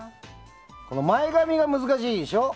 前髪が難しいでしょ？